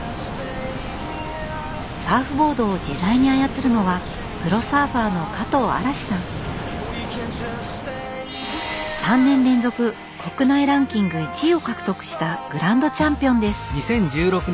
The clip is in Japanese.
サーフボードを自在に操るのは３年連続国内ランキング１位を獲得したグランドチャンピオンです。